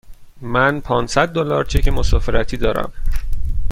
من پانصد دلار چک مسافرتی دارم.